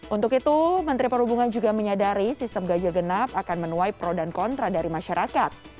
untuk itu menteri perhubungan juga menyadari sistem ganjil genap akan menuai pro dan kontra dari masyarakat